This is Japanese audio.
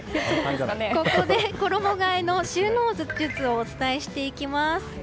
ここで衣替えの収納術をお伝えしていきます。